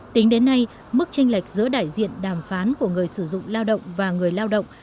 tính đến nay mức tranh lệch giữa đại diện đàm phán của người sử dụng lao động và người lao động